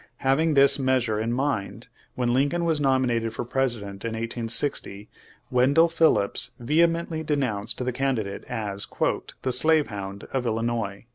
Having this measure in mind, when Lincoln was nominated for Presi dent in 1860, Wendell Phillips vehemently de nounced the candidate as *'the slave hound of Illinois."